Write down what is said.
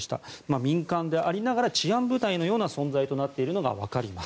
民間でありながら治安部隊のような存在になっているのがわかります。